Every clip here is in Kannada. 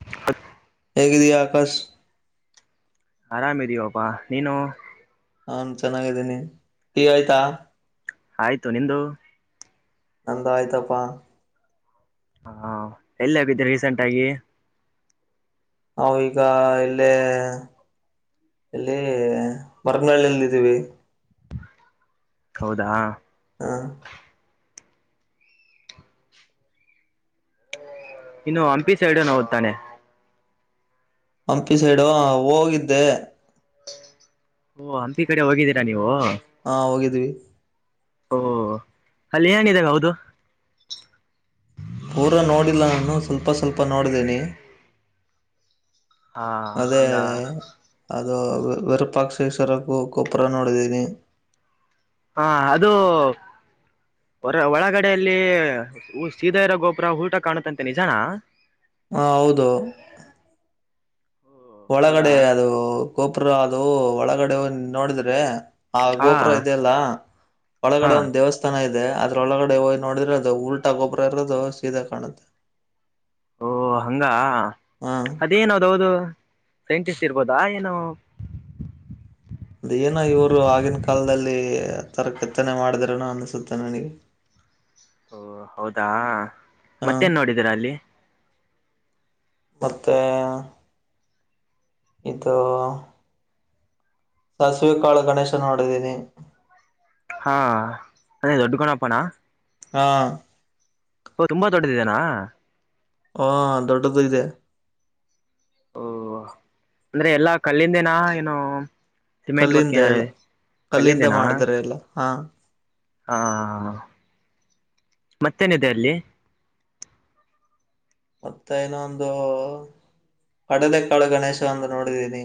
ಹತ್ತು. [unintelligible] ಹೇಗಿದಿಯಾ ಆಕಾಶ್. ಆರಾಮ ಇದಿವೋ ಅಪ್ಪಾ ನೀನು. ನಾನ್ ಚೆನ್ನಾಗದ್ದೀನಿ ಟೀ ಆಯ್ತಾ. ಆಯ್ತು ನಿಂದು. ನಂದು ಆಯ್ತಪ್ಪಾ. ಹಾ ಎಲ್ಲಿ ಆಗಿದ್ದ ರೀಸೆಂಟ್ ಆಗಿ. ನ ಈಗ ಇಲ್ಲೇ. ಇಲ್ಲಿ ಮರಗನಳ್ಳಿಲ್ಲಿ ಇದೀವಿ. ಹೌದಾ. ಹಾ. ಇನ್ನು ಹಂಪಿ ಸೈಡ್ ನೋಡುತಾನೆ. ಹಂಪಿ ಸೈಡು ಆ ಹೋಗಿದ್ದೆ. ಓ ಹಂಪಿ ಕಡೆ ಹೋಗಿದ್ದೀರಾ. ನೀವು. ಹಾ ಹೋಗಿದ್ವಿ. ಓಹ ಅಲ್ಲಿ ಏನೇನ್ ಇದಾವ ಹೌದು. ಪೂರ ನೋಡಿಲ್ಲಾ ನಾನು ಸ್ವಲ್ಪ ಸ್ವಲ್ಪ ನೋಡಿದ್ದೇನಿ. ಹಾ ಅದೇ. ಹಂಗ ಅದು ವಿರೂಪಾಕ್ಷ ಗೋಪುರ ನೋಡಿದ್ದೀನಿ ಹಾ ಅದು ಹೊರ ಒಳಗಡೆಯಲ್ಲಿ ಸಿಧೋ ಇರುವ ಗೋಪುರ ಉಲ್ಟಾ ಕಾಣುತ್ತದೆಯಂತೆ ನಿಜಾನಾ ಹಾ ಹೌದು ಓ ಹೌದಾ ಒಳಗಡೆ ಅದು ಗೋಪುರಾ ಅದು ಒಳಗಡೆ ನೋಡಿದ್ರೆ... ಆ ಹಾ ಗೋಪುರ ಇದೆ ಅಲ್ಲಾ ಹಾ ಒಳಗಡೆ ಒಂದು ದೇವಸ್ಥಾನ ತ ಇದೆ ಅದ್ರೊಳಗಡೆ ಹೋಗ್ ನೋಡಿದ್ರೆ ಅದು ಉಲ್ಟಾ ಗೋಪುರ ಇರೋದು ಸೀದಾ ಕಾಣುತ್ತೆ ಹಂಗಾ ಹಾ ಅದೇನು ಅದು ಹೌದು ಸೈಂಟಿಸ್ಟ್ ಇರ್ಬೋದಾ ಏನೋ ಅದ ಏನ್ ಇವರು ಆಗಿನ ಕಾಲದಲ್ಲಿ ಆ ತರಾ ಕೆತ್ತನೆ ಮಾಡಿದ್ರನೂ ಅನಸುತ್ತೆ ನನಗೆ ಓ ಹೌದಾ ಹಾ ಮತ್ತೇನ್ ನೋಡಿದ್ದೀರಾ ಅಲ್ಲಿ ಮತ್ತೆ ಇದು ಸಾಸಿವಿಕಾಳು ಗಣೇಶ ನೋಡಿದೀನಿ ಹಾ ಅದೇ ದೊಡ್ಡ ಗಣಪನಾ ಹಾ ಓ ತುಂಬಾ ದೊಡ್ಡದಿದೆನಾ ಓ ದೊಡ್ಡದು ಇದೆ. ಓ ಅಂದ್ರೆ ಎಲ್ಲಾ ಕಲ್ಲಿಂದೇನಾ ಏನು ಸಿಮೆಂಟ್ ವರ್ಕ್ ಕಲ್ಲಿಂದ ಏನಾರ ಎಲ್ಲಾ ಕಲ್ಲಿಂದ ಕಲ್ಲಿಂದೇನಾ ಮಾಡಿದ್ರ ಎಲ್ಲಾ ಹಾ ಹಾ ಮತ್ತೇನಿದೆ ಅಲ್ಲಿ ಮತ್ತ ಇನ್ನೊಂದು ಕಡಲೆ ಕಾಳು ಗಣೇಶ ಒಂದು ನೋಡಿದ್ದೀನಿ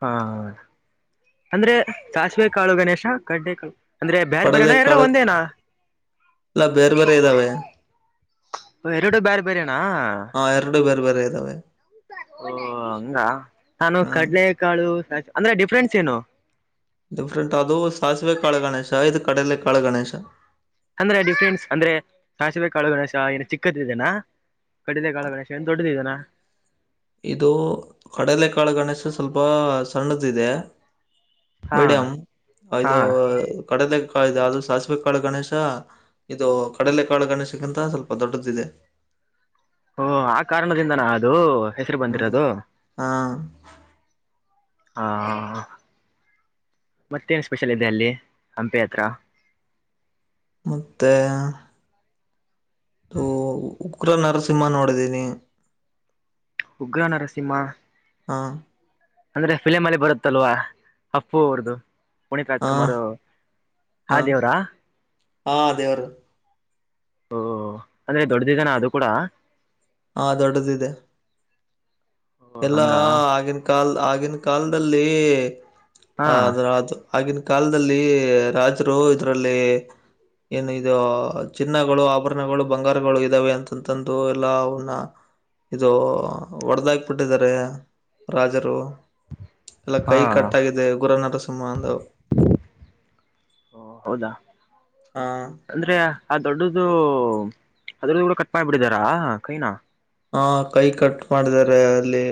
ಹಾ ಅಂದ್ರೆ ಸಾಸವೆ ಕಾಳು ಗಣೇಶಾ, ಕಡ್ಡೆ ಕಾಳು ಅಂದ್ರೆ ಬೇರೆ ಬೇರೆ ನಾ ಎರಡು ಕಡಲೆಕಾಳು ಒಂದೇ ನಾ ಎಲ್ಲ ಬೇರೆ ಬೇರೆ ಇದಾವೆ ಈ ಎರೆಡು ಬೇರೆ ಬೇರೆ ನಾ ಹಾ ಎರಡು ಬೇರೆ ಬೇರೆ ಇದಾವೆ ಓ ಹಂಗಾ ನಾನು ಹ್ಮ್ ಕಡ್ಲೆ ಕಾಳು ಅಂದ್ರೆ ಡಿಫ್ರೆನ್ಸ್ ಏನು ಡಿಫ್ರೆಂಟ್ ಅದು ಸಾಸಿವೆ ಕಾಳು ಗಣೇಶಾ ಇದು ಕಡಲೆ ಕಾಳು ಗಣೇಶಾ ಅಂದ್ರೆ ಡಿಫ್ರೆನ್ಸ್ ಅಂದ್ರೆ ಸಾಸವೆ ಕಾಳು ಗಣೇಶ ಏನು ಚಿಕ್ಕದಿದೆ ನಾ ಕಡಲೆಕಾಳು ಗಣೇಶ ಏನ್ ದೊಡ್ಡದಿದೆ ನಾ ಇದು ಕಡಲೆ ಕಾಳಗಣೇಶ ಸ್ವಲ್ಪ ಸಣ್ಣದ ಇದೆ ಹಾ ಮೇಡಂ ಹಾ ಅದು ಕಡದೆ ಕಳೆದ ಅದು ಸಾಸವೆ ಕಾಳು ಗಣೇಶ ಇದು ಕಡಲೆ ಕಾಳು ಗಣೇಶನಗಿಂತ ಸ್ವಲ್ಪ ದೊಡ್ಡದು ಇದೆ ಓ ಆ ಕಾರಣದಿಂದ ನಾ ಅದು ಹೆಸರು ಹ್ಮ್ ಬಂದಿರೋದು ಹಾ ಹ ಹ ಹ ಮತ್ತೇನ್ ಸ್ಪೆಷಲ್ ಇದೆ ಅಲ್ಲಿ ಹಂಪೆ ಹತ್ರ ಮತ್ತೇ ಓ ಉಗ್ರ ನರಸಿಂಹ ನೋಡಿದೀನಿ ಉಗ್ರ ನರಸಿಂಹ ಹಾ ಅಂದ್ರೆ ಫಿಲಂಅಲ್ಲಿ ಬರುತ್ತಲ್ವಾ ಅಪ್ಪು ಅವರದು ಪುನೀತ್ ಹಾ ರಾಜಕುಮಾರ್ ಹಾ ದೇವ್ರ ಹ ಹಾ ದೇವ್ರು ಓ ಹೋ ಹೋ ಅದೇ ದೊಡ್ಡದಿದೆ ಅದು ಕೂಡ ಹಾ ದೊಡ್ಡದು ಇದೆ ಓ ಎಲ್ಲಾ ಹಂಗ ಆಗಿನ್ ಕಾಲ್ ಆಗಿನ ಕಾಲದಲ್ಲಿ ಹಾ ಅದ್ರ ಅದು ಆಗಿನ್ ಕಾಲದಲ್ಲಿ ರಾಜರು ಇದ್ರಲ್ಲಿ ಏನು ಇದು ಚಿನ್ನಗಳು ಆಭರಣಗಳು ಬಂಗಾರಗಳು ಇದ್ದಾವೆ ಅಂತಂತಂದು ಎಲ್ಲ ಅವನ್ನ ಇದು ಹೊಡೆದಾಗಿಬಿಟ್ಟಿದ್ದಾರೆ ರಾಜರು ಎಲ್ಲ ಹಾ ಕೈಕಟ್ಟಾಗಿದೆ ಉಗ್ರ ನರಸಿಂಹಂದು [inaudible] ಹೌದಾ ಹಾ ಅಂದ್ರೆ ಆ ದೊಡ್ಡದು ಅದ್ರದ್ದು ಕೂಡ ಕಟ್ ಮಾಡ್ಬ ಬಿಡಿದಾರಾ ಕೈನಾ ಹಾ ಕೈ ಕಟ್ ಮಾಡಿದಿದ್ದಾರೆ ಅಲ್ಲಿ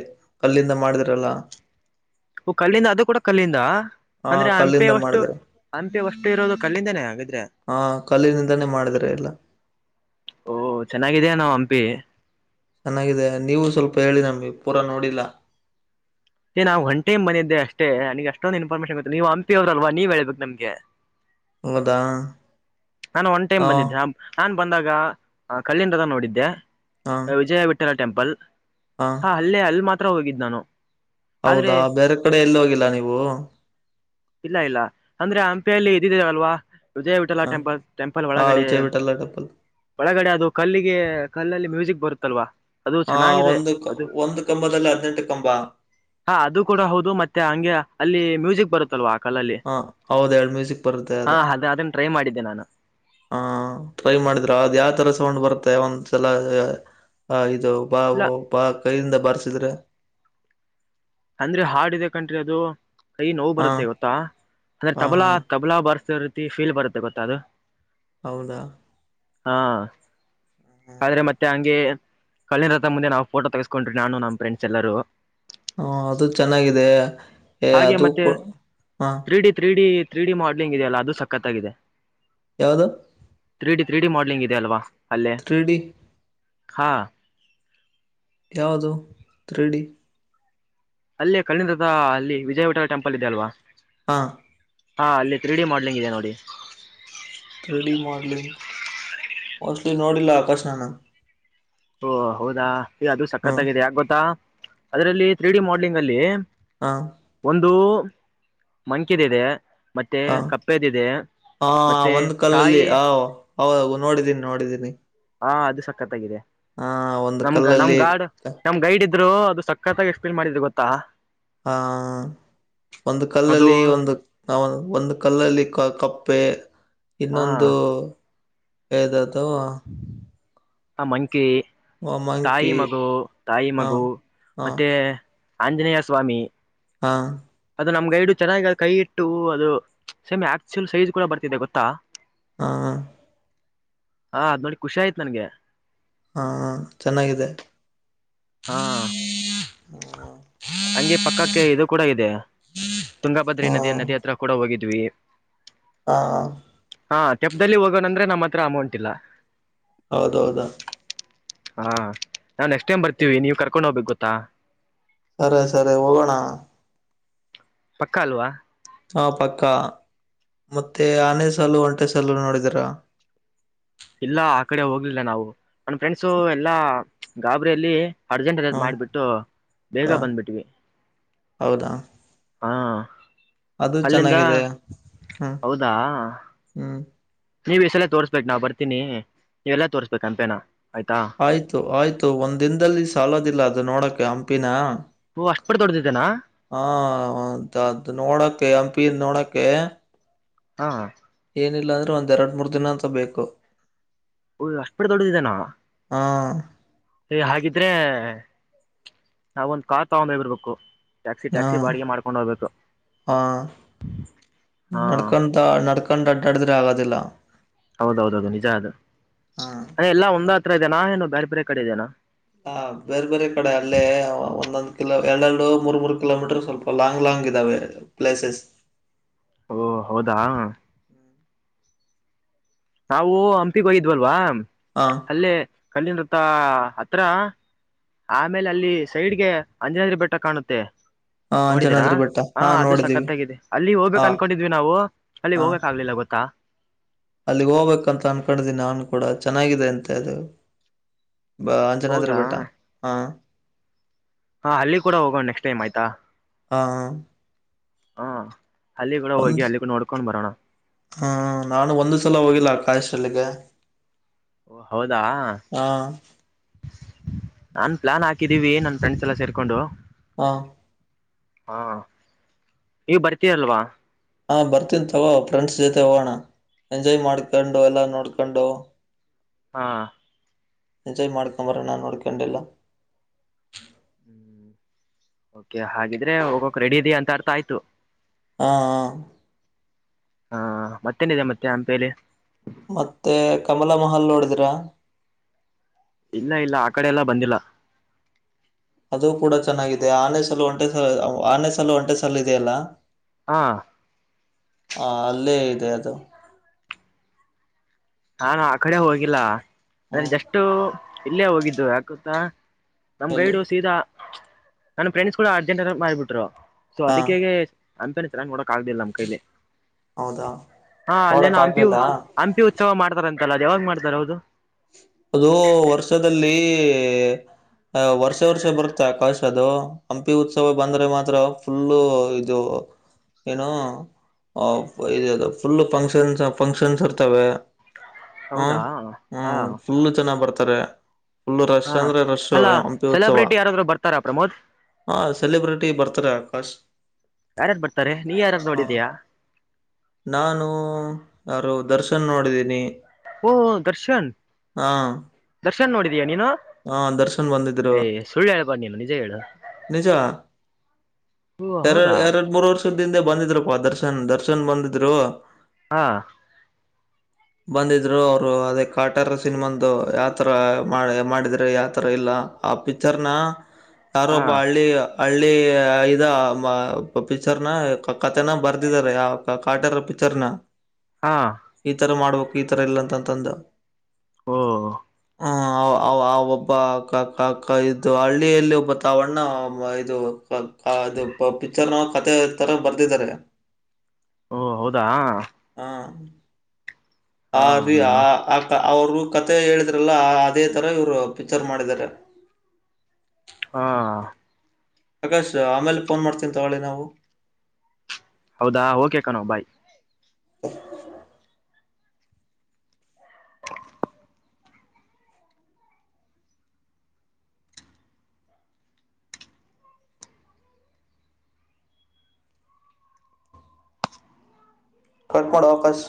ಅಲ್ಲಿಂದ ಮಾಡಿದಾರಲ್ಲ ಓ ಕಲ್ಲಿಂದ ಅದು ಕೂಡ ಕಲ್ಲಿಂದ ಅಂದ್ರೆ ಆ ಕಲ್ಲಿಂದ ಹಂಪೆವಷ್ಟು ಮಾಡಿದ್ದಾರೆ ಹಂಪಿ ವಷ್ಟು ಇರೋದು ಕಲ್ಲಿಂದನೇ ಹಾಗದ್ರೆ ಆ ಕಲ್ಲಿನಿಂದಾನೇ ಮಾಡಿದ್ದಾರೆ ಎಲ್ಲ ಓ ಚೆನ್ನಾಗಿದೇನಾವ ಹಂಪಿ ಚೆನ್ನಾಗಿದೆ ನೀವು ಸ್ವಲ್ಪ ಹೇಳಿ ನಮಗೆ ಪೂರಾ ನೋಡಿಲ್ಲ ಹೇ ನಾ ಒನ್ ಟೈಮ್ ಬಂದಿದ್ದೆ ಅಷ್ಟೇ ನನಿಗೆ ಅಷ್ಟೊಂದು ಇನ್ಫಾರ್ಮೇಷನ್ ಗೊತ್ ಇಲ್ಲ ನೀವು ಹಂಪಿ ಅವ್ರ ಅಲ್ವ ನೀವ ಹೇಳ್ಬೇಕು ನಮಗೆ ಹೌದಾ ನಾನು ಒನ್ ಟೈಮ್ ಹಾ ಬಂದಿದ್ದೆ ನಾನ್ ಬಂದಾಗ ಕಲ್ಲಿಣ ರಥ ನೋಡಿದ್ದೆ ಹಾ ವಿಜಯ ವಿಠ ಇತರ ಟೆಂಪಲ್ ಹಾ ಹಾ ಅಲ್ಲೇ ಅಲ್ಲಿ ಮಾತ್ರ ಹೋಗಿದ್ ನಾನು ಆದ್ರೆ ಹೌದಾ ಬೇರೆ ಕಡೆ ಎಲ್ಲಿ ಹೋಗಿಲ್ಲ ನೀವು ಇಲ್ಲ ಇಲ್ಲ ಅಂದ್ರೆ ಹಂಪಿಯಲ್ಲಿ ಇದ್ ಇದೆಯಲ್ಲ ವಿಜಯ್ ವಿಠಲ್ ಹ ಟೆಂಪಲ್ ಟೆಂಪಲ್ ಹಾ ಒಳಗಡೆ ವಿಜಯ್ ವಿಠಲ ಟೆಂಪಲ್ ಒಳಗಡೆ ಅದು ಕಲ್ಲಿಗೆ ಕಲ್ಲಲ್ಲಿ ಮ್ಯೂಸಿಕ್ ಬರುತ್ತಲ್ವಾ ಅದು ಹ ಚೆನ್ನಾಗಿದೆ ಒಂದು ಕ್ ಅದು ಒಂದು ಕಂಬದಲ್ಲಿ ಹದಿನೆಂಟು ಕಂಬ ಹಾ ಅದು ಕೂಡ ಹೌದು ಮತ್ತೆ ಹಂಗೆ ಅಲ್ಲಿ ಮ್ಯೂಸಿಕ್ ಬರುತ್ತಲ್ವಾ ಕಲ್ಲಲ್ಲಿ ಹ ಹೌದ ಎರಡು ಮ್ಯೂಸಿಕ್ ಬರುತ್ತೆ ಹಾ ಅದೇ ಅದ್ ಅದನ್ನ ಟ್ರೈ ಮಾಡಿದ್ದೆ ನಾನು ಹ ಟ್ರೈ ಮಾಡಿದ್ರ ಅದ್ ಯಾವ್ ತರ ಸೌಂಡ್ ಬರುತ್ತೆ ಒಂದ್ಸಲ ಹ ಹ ಹ ಇದು ಇಲ್ಲ ಬಾವು ಬಾ ಕೈಯಿಂದ ಬರ್ಸಿದ್ರೆ ಅಂದ್ರೆ ಹಾಡಿದೆ ಕನ್ರೀ ಅದು ಕೈ ನೋವು ಹಾ ಬರುತ್ತೆ ಗೋತ್ತಾ ಅಂದ್ರೆ ಹಾ ತಬಲಾ ಹಾ ತಬ್ [unintelligible] ರೀತಿಫೀಲ್ ಬರುತ್ತೆ ಗೊತ್ತ ಅದು. ಹೌದಾ ಹಾ ಆದ್ರೆ ಹ ಮತ್ತೆ ಹಂಗೆ ಕಳಿನ ರಥ ಮುಂದೆ ನಾ ಫೋಟ ತಗ್ಕೊಂಡ್ರಿ ನನು ನಮ್ ಫ್ರೆಂಡ್ಸ್ ಎಲ್ಲರು. ಹ್ಮು ಅದು ಚೆನ್ನಾಗಿದೆ. ಏ ಹಾಗೆ ಅದು ಮತ್ತೆ ಕೂಡ. ಹಾ three D three D three D modelling ಇದೆ ಅಲ್ಲ ಅದು ಸಖತ್ತಾಗಿದೆ. ಯಾವ್ದು? Three D three D modelling ಇದೆಲ್ವಾ ಅಲ್ಲೆ. ತ್ರೀಡಿ ಹಾ ಯಾವುದು ತ್ರಿ ಡಿ? ಅಲ್ಲಿ ಕಲ್ಲಿಂದ ರಥ ಅಲ್ಲಿ ವಿಜಯವಡ ಟೆಂಪಲ್ ಇದೆೆ ಅಲ್ವಾ. ಹಾ ಹಾ ಅಲ್ಲಿ ತ್ರಿ ಡಿ ಮಾಡ್ಲಿಂಗ ಇದೆ ನೋಡಿ. ತ್ರಿ ಡಿ ಮಾಡಲಿಂಗ್ ಮೋಸ್ಟ್ಲಿ ನೋಡಿಲ್ಲ [unintelligible] ಓ ಹೌದಾ ಎ ಅದು ಹಾ ಸಖತ್ತಾಗಿದೆ ಯಾಕ ಗೊತ್ತಾ ಅದರಲ್ಲಿ ತ್ರೀ ಡಿ ಮಾಡಲಿಂಗ್ ಅಲ್ಲಿ. ಹಾ ಒಂದು ಮಂಕಿದ್ ಇದೆ. ಮತ್ತೆ ಹ ಕಪ್ಪೆದಿದೆ ಮತ್ತೆ ತಾಯಿ ಹೌದೌ ನೋಡೀನಿ ನೋಡಿದ್ದೀನಿ. ಹಾ ಅದು ಸಖತ್ತಾಗಿದೆ ಆ ಒಂದು ನಮ್ಗ ನಮ್ ಕಲ್ಲಲ್ಲಿ ಗಾಡು ನಮ್ ಗೈಡ್ ಇದ್ರು ಅದು ಸಕ್ಕತ್ತಾಗಿ ಎಸ್ಪ್ಲೇನ್ ಮಾಡಿದ್ರೆ ಗೊತ್ತಾ? ಹ ಒಂದು ಅದು ಕಲ್ಲಲ್ಲಿ ಒಂದು ಹಾ ಒಂದು ಕಲ್ಲಲ್ಲಿ ಕಪ್ಪೆ ಹಾ ಇನ್ನೊಂದು. [unintelligible] ಆ ಮಂಕಿ ತಾಯಿ ಮಂಕಿ ಮಗು ತಾಯಿ ಹ ಮಗು ಹ ಮತ್ತೆ. ಆಂಜನೇಯ ಸ್ವಾಮಿ. ಹಾ ಅದು ನಮ್ ಗೈಡು ಚೆನ್ನಾಗಿ ಕೈ ಇಟ್ಟು ಅದು ಸೇಮ್ ಆಕ್ಚುಲ್ ಸೈಜ್ ಕೂಡ ಬರ್ತಿದೆ ಗೊತ್ತಾ. ಹಾ ಹ ಅದು ನೋಡಿ ಖುಷಿ ಆಯ್ತ ನನ್ಗೆ. ಹಾ ಚೆನ್ನಾಗಿದೆ. ಹಾ ಹಂಗೆ ಪಕ್ಕಕ್ಕೆ ಇದು ಕೂಡ ಇದೆ. ತುಂಗಾಭದ್ರಿ ಹಾ ನದಿ ನದಿ ಹತ್ರ ಕೂಡ ಹೋಗಿದ್ವಿ. ಹಾ ಹಾ ತೆಪ್ಪದಲ್ಲಿ ಹೋಗೋಣ ಅಂದ್ರೆ ನಮ್ಮ ಹತ್ರ ಅಮೌಂಟ್ ಇಲ್ಲ. ಹೌದೌದಾ ಹಾ ನಾವು ನೆಕ್ಸ್ಟ್ ಟೈಮ್ ಬರ್ತೀವಿ ನೀವು ಕರ್ಕೊಂಡ್ ಹೋಗ್ಬೇಕು ಗೊತ್ತಾ. ಸರಿ ಸರಿ ಹೋಗೋಣ. ಪಕ್ಕ ಅಲ್ವಾ. ಹಾ ಪಕ್ಕ ಮತ್ತೆ ಆನೆ ಸಾಲು ಒಂಟೆ ಸಾಲು ನೋಡಿದರಾ? ಇಲ್ಲ ಆ ಕಡೆ ಹೋಗ್ಲಿಲ್ಲ ನಾವು ನನ್ ಫ್ರೆಂಡ್ಸು ಎಲ್ಲಾ ಗಾಬರಿಲ್ಲಿ. ಅರ್ಜೆಂಟ್ ಅರ್ಜೆಂಟ್ ಹ ಮಾಡಿಬಿಟ್ಟು ಬೇಗ ಬಂದ್ಬಿಟ್ವಿ. ಹೌದಾ ಹಾ ಅದು ಅಲ್ಲಿಂದ ಚೆನ್ನಾಗಿದೆ ಹ್ಮ್ ಹೌದಾ. ಹ್ಮ್ ನೀವ ಈಸಲ ತೋರಿಸಬೇಕು ನಾವ್ ಬರ್ತೀನಿ ನೀವೆಲ್ಲಾ ತೋರಿಸಬೇಕು ಹಂಪಿನ ಆಯ್ತಾ. ಆಯ್ತು ಆಯ್ತು ಒಂದ್ ದಿನದಲ್ಲಿ ಸಾಲದಿಲ್ಲ ಅದು ನೋಡಕ್ಕೆ ಹಂಪಿನ. ಓಹೋ ಅಷ್ಟುಪಟ್ಟು ದೊಡ್ದುದು ಇದೇನಾ. ಹಾ ಅದು ನೋಡಕ್ಕೆ ಹಂಪಿಂದು ನೋಡಕ್ಕೆ. ಹಾ ಏನಿಲ್ಲ ಅಂದ್ರು ಒಂದ್ ಎರಡು ಮೂರ್ ದಿನ ಅಂತು ಬೇಕು. ಓ ಅಷ್ಟುಪಟ್ಟು ದೊಡ್ಡದು ಇದೇನಾ. ಹಾ ಅ ಹಾಗಿದ್ರೆ ನಾವೊಂದು ಕಾರ್ ತಕೊಂಡೆ ಬರಬೇಕು. ಟ್ಯಾಕ್ಸಿ ಹಾ ಟ್ಯಾಕ್ಸಿ ಬಾಡಿಗೆ ಮಾಡ್ಕೊಂಡು ಹೋಗಬೇಕು ಹಾ ಹಾ. ನೆಡ್ಕೊಂಡು ಅಡ್ಡಾಡಿದ್ರೆ ಆಗದಿಲ್ಲ. ಹೌದ ಹೌದೌದು ನಿಜ ಅದು ಹಾ ಎಲ್ಲಾ ಒಂದ ಹತ್ರ ಇದೇನಾ ಏನು ಬೇರೆ ಬೇರೆ ಕಡೆ ಇದೇನಾ. ಹಾ ಬೇರೆ ಬೇರೆ ಕಡೆ ಅಲ್ಲೇ ಒಂದೊಂದ್ ಕಿಲೋ ಎರಡೆರಡು ಮೂರ್ ಮೂರು ಕಿಲೋಮೀಟರ್ ಸ್ವಲ್ಪ ಲಾಂಗ್ ಲಾಂಗ್ ಇದ್ದಾವೆ. ಪ್ಲೇಸಸ್. ಓ ಹೌದಾ. ನಾವು ಹಂಪಿಗೆ ಹೋಗಿದ್ವಲ್ವಾ. ಹಾ ಅಲ್ಲೇ ಕಲ್ಲಿನ ರುತ್ತ ಹತ್ರ. ಆಮೇಲೆ ಅಲ್ಲಿ ಸೈಡ್ಗೆ ಅಂಜನಾದ್ರಿ ಬೆಟ್ಟ ಕಾಣುತ್ತೆ. ಹಾ ನೋಡಿದೀರಾ ಅಂಜನಾದ್ರಿ ಬೆಟ್ಟ ಹಾ ಅದು ನೋಡಿದೀವಿ ಸಖತ್ತಾಗಿದೆ ಅಲ್ಲಿ ಹೋಗ್ಬೇಕು ಹಾ ಅನ್ಕೊಂಡಿದ್ವಿ ನಾವು. ಅಲ್ಲಿಗ್ ಹೋಗಕ್ ಆಗ್ಲಿಲ್ಲ ಗೊತ್ತಾ. ಅಲ್ಲಿ ಹೋಗ್ಬೇಕಂತ ಅನ್ಕೊಂಡ್ದೀನಿ ನಾನ್ ಕೂಡ ಚೆನ್ನಾಗಿದೆ ಅಂತೆ ಅದು. ಬಾ ಅಂಜನಾನಾದ್ರಿ ಹೌದಾ ಬೆಟ್ಟ ಹಾ. ಹಾ ಅಲ್ಲಿ ಕೂಡ ಹೋಗೋಣ ನೆಕ್ಸ್ಟ್ ಟೈಮ್ ಆಯ್ತಾ ಹಾ ಹಾ. ಅಲ್ಲಿ ಕೂಡ ಹೋಗಿ ಅಲ್ಲಿ ನೋಡ್ಕೊಂಡ್ ಬರೋಣ. ಹ್ಮ ನಾನು ಒಂದು ಸಲ ಹೋಗಿಲ್ಲ ಆಕಾಶ್ ಅಲ್ಲಿಗೆ. ಓ ಹೌದಾ. ಹಾ ನಾನ್ ಪ್ಲಾನ್ ಹಾಕಿದೀವಿ ನನ್ ಫ್ರೆಂಡ್ಸ್ ಎಲ್ಲ ಸೇರ್ಕೊಂಡು. ಹಾ ಹಾ ನೀವ ಬರ್ತೀಲ್ವಾ. ಹಾ ಬರ್ತೀನಿ ತಗೋ ಫ್ರೆಂಡ್ಸ್ ಜೊತೆ ಹೋಗೋಣ!. ಎಂಜಾಯ್ ಮಾಡ್ಕೊಂಡು ಎಲ್ಲಾ ನೋಡ್ಕೊಂಡು. ಹಾ ಹಾ... ಎಂಜಾಯ್ ಮಾಡ್ಕೊಂಡ್ ಬರೋಣ ನೋಡ್ಕೊಂಡ್ ಎಲ್ಲಾ.. ಹ್ಮ್ ಓಕೆ ಹಾಗಿದ್ರೆ ಹೋಗಕ್ ರೆಡಿ ಇದೀಯ ಅಂತ ಅರ್ಥ ಆಯ್ತು. ಹಾ ಹಾ... ಹಾ ಹಾ ಮತ್ತೇನಿದೆ ಮತ್ತೆ ಹಂಪಿಯಲ್ಲಿ. ಮತ್ತೆ ಕಮಲಾ ಮಹಲ್ ನೋಡಿದಿರಾ. ಇಲ್ಲ ಇಲ್ಲ ಆ ಕಡೆ ಎಲ್ಲಾ ಬಂದಿಲ್ಲ.. ಅದು ಕೂಡ ಚೆನ್ನಾಗಿದೆ ಆನೆ ಸಾಲು ಒಂಟೆ ಆನೆ ಸಾಲು ಒಂಟೆ ಸಾಲು ಇದೆಯಲ್ಲ. ಹಾ. ಹಾ ಅಲ್ಲೇ ಇದೆ ಅದು. ನಾನು ಆ ಕಡೆ ಹೋಗಿಲ್ಲ ಅಂದ್ರೆ ಹ್ಮ್ ಜಸ್ಟು ಇಲ್ಲೇ ಹೋಗಿದ್ದು ಯಾಕ್ ಗೊತ್ತಾ. ನಮ್ ಎಲ್ಲಿ ಗೈಡು ಸೀದಾ ನನ್ ಫ್ರೆಂಡ್ಸ್ ಕೂಡ ಅರ್ಜೆಂಟ್ ಮಾಡ್ಬಿಟ್ರು ಸೊ ಹಾ ಅದಕ್ಕೇಗೆ. ಹಂಪಿನ ಚೆನ್ನಾಗ್ ನೋಡಕ್ ಆಗಲಿಲ್ಲ ನಮ್ ಕೈಲಿ ಹೌದಾ ಹಾ ಅಲ್ಲೇನ ನೋಡಕ್ ಹಂಪಿವೂ ಆಗ್ಲಿಲ್ಲ ಹಂಪಿವೂ ಉತ್ಸವ ಮಾಡ್ತಾರ ಅಂತಲ್ಲ ಅದು ಯಾವಾಗ ಮಾಡ್ತಾರೆ ಹೌದು? ಅದು ವರ್ಷದಲ್ಲಿ...... ಹಾ ವರ್ಷ ವರ್ಷ ಬರುತ್ತೆ ಆಕಾಶ್ ಅದು ಹಂಪಿ ಉತ್ಸವ ಬಂದ್ರೆ ಮಾತ್ರ ಫುಲ್ಲು ಇದು. ಏನೋ ಆ ಇದು ಇದು ಫುಲ್ ಫಂಕ್ಷನ್ಸ್ ಫಂಕ್ಷನ್ಸ್ ಇರ್ತಾವೆ. ಹ್ಮ ಹೌದಾ ಹ್ಮ ಹಾ ಫುಲ್ಲು ಜನಾ ಬರ್ತಾರೆ. ಫುಲ್ಲು ರಶ್ ಹಾ ಅಂದ್ರೆ ರಶ್ ಅಲ್ಲಾ ಹಂಪಿ ಉತ್ಸವ. ಸೆಲೆಬ್ರಿಟಿ ಯಾರಾದ್ರು ಬರ್ತಾರಾ ಪ್ರಮೋದ್ ಹಾ! ಸೆಲೆಬ್ರಿಟಿ ಬರ್ತಾರೆ ಆಕಾಶ್. ಯಾರ್ ಯಾರ್ ಬರ್ತಾರೆ ನೀವು ಯಾರನ್ನು ಹ ನೋಡಿದಿಯ. ನಾನು ಯಾರು ದರ್ಶನ್ ನೋಡಿದೀನಿ! ಓಹೋ! ದರ್ಶನ್. ಹಾ.... ದರ್ಶನ್ ನೋಡಿದೀಯಾ ನೀನು? ಹಾ ದರ್ಶನ್ ಬಂದಿದ್ರು. ಸುಳ್ ಹೇಳಬೇಡ ನೀನು ನಿಜಾ ಹೇಳು. ನಿಜ ಓ ಎರಡ್ ಹೌದಾ ಎರಡ್ ಮೂರ್ ವ ತ್ತು ತಿಂದ್ರು ಬಂದಿದ್ರುಪ್ಪ ದರ್ಶನ್! ದರ್ಶನ್ ಬಂದಿದ್ರು. ಹಾ.. [inaudible] ಬಂದಿದ್ದರು ಅವರು ಅದೇ ಕಾಟೇರ ಸಿನಿಮಾಂದು ಯಾವ ತರ ಮಾಡಿದ್ರು ಯಾವ ತರ ಇಲ್ಲ. ಆ ಪಿಚ್ಚರ್ ನಾ ಯಾರೋ ಹಾ ಒಬ್ಬ ಹಳ್ಳಿ. ಹಳ್ಳಿ ಐದ ಪಿಚ್ಚರನ ಕಥೆನಾ ಬರ್ದಿದ್ದಾರೆ ಆ ಕಾಟೇರ ಪಿಚ್ಚರಾನ. [inaudible] ಹಾ.... ಈ ತರ ಮಾಡ್ಬೇಕು ಈ ತರ ಇಲ್ಲ ಅಂತಂತಂದು. ಹೋ! ಹು ಆ ಆ ಒಬ್ಬ ಅಕ್ಕಕ್ಕ ಅಕ್ಕ ಇದ್ದು ಹಳ್ಳಿಯಲ್ಲಿ ಒಬ್ಬ. ಆವಣ್ಣ ಇದು ಆದು ಪಿಕ್ಚರ್ ನ ಕಥೆ ಹೇಳ್ತಾರೆ ಬರ್ದಿದ್ದಾರೆ. [inaudible] ಓ ಹೌದಾ. ಹಾ. ಆದೀ ಆ ಅತ್ತ ಅವರು ಅವರು ಕಥೆ ಹೇಳಿದ್ರಲ್ಲ ಅದೇ ತರ ಇವ್ರು ಪಿಕ್ಚರ್ ಮಾಡಿದ್ದಾರೆ. ಹಾ... ಆಕಾಶ್ ಆಮೇಲೆ ಪೋನ್ ಮಾಡ್ತಿನಿ ತಗೊಳ್ಳಿ ನಾವು. ಹೌದಾ ಓಕೆ ಕಣೋ ಬಾಯ್. ಕೊಂಕಣ ಆಕಾಶ್.